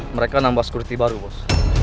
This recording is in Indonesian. mereka nambah security baru bos